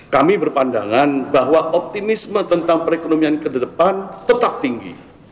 kami berpandangan bahwa optimisme tentang perekonomian ke depan tetap tinggi